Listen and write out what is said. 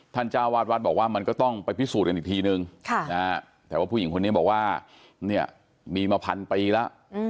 จ้าวาดวัดบอกว่ามันก็ต้องไปพิสูจน์กันอีกทีนึงแต่ว่าผู้หญิงคนนี้บอกว่าเนี่ยมีมาพันปีแล้ว